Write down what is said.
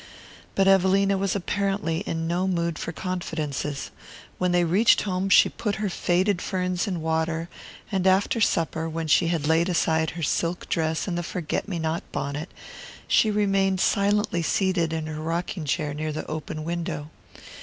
But Evelina was apparently in no mood for confidences. When they reached home she put her faded ferns in water, and after supper, when she had laid aside her silk dress and the forget me not bonnet, she remained silently seated in her rocking chair near the open window.